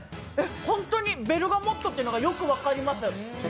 ホントにベルガモットというのがよく分かります。